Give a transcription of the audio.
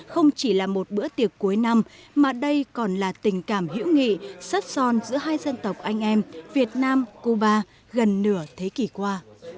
không chỉ là một bữa tiệc cuối năm mà đây còn là tình cảm hữu nghị sắt son giữa hai dân tộc anh em việt nam cuba gần nửa thế kỷ qua